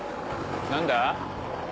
何だ？